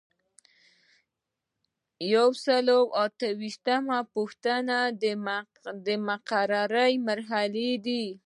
یو سل او اته دیرشمه پوښتنه د مقررې مرحلې دي.